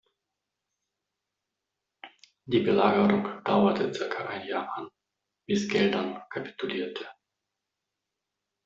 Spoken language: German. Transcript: Die Belagerung dauerte circa ein Jahr an, bis Geldern kapitulierte.